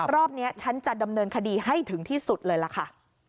รอบนี้ฉันจะดำเนินคดีให้ถึงที่สุดเลยล่ะค่ะ